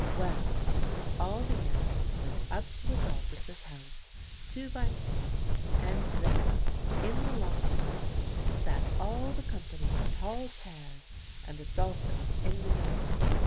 Well, all the animals went up to Adolphus's house, two by two; and there, in the long hall, sat all the company in tall chairs, and Adolphus in the middle.